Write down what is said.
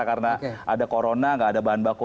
karena ada corona nggak ada bahan baku